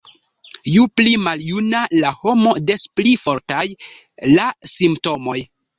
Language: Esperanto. Ju pli maljuna la homo, des pli fortaj la simptomoj.